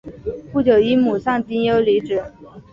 不久因母丧丁忧离职。